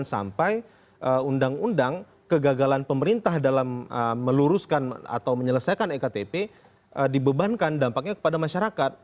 sampai undang undang kegagalan pemerintah dalam meluruskan atau menyelesaikan ektp dibebankan dampaknya kepada masyarakat